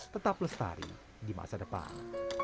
tetap lestari di masa depan